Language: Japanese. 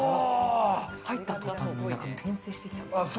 入った途端に転生してきたみたい。